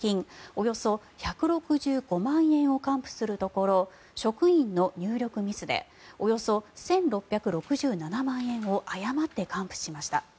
およそ１６５万円を還付するところ職員の入力ミスでおよそ１６６７万円を誤って還付しました。